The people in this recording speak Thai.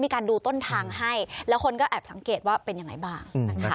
การดูต้นทางให้แล้วคนก็แอบสังเกตว่าเป็นยังไงบ้างนะคะ